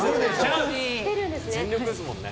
全力ですもんね。